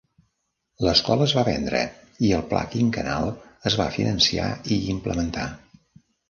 L'escola es va vendre i el pla quinquennal es va finançar i implementar.